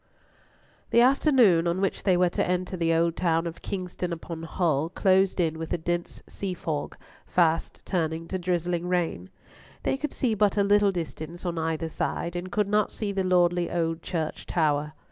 The afternoon on which they were to enter the old town of Kingston upon Hull closed in with a dense sea fog, fast turning to drizzling rain. They could see but a little distance on either side, and could not see the lordly old church tower.